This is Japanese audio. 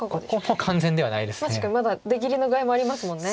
まだ出切りの具合もありますもんね。